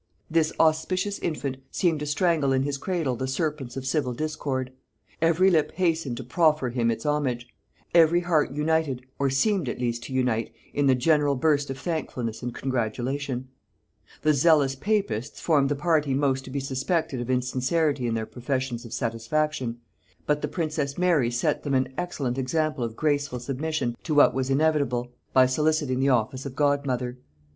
This auspicious infant seemed to strangle in his cradle the serpents of civil discord. Every lip hastened to proffer him its homage; every heart united, or seemed at least to unite, in the general burst of thankfulness and congratulation. [Note 4: See Chron. of Ireland in Holinshed, pass. Collins's Peerage, by sir E. Brydges, article Viscount Leinster.] The zealous papists formed the party most to be suspected of insincerity in their professions of satisfaction; but the princess Mary set them an excellent example of graceful submission to what was inevitable, by soliciting the office of godmother.